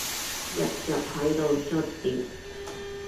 日日喺度捽碟